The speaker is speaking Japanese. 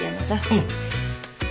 うん。